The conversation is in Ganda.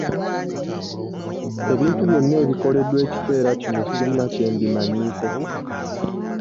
Ebintu byonna ebikoleddwa ekiseera kino sirina kye mbimanyiiko.